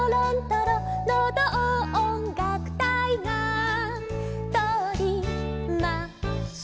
「のどをおんがくたいがとおります」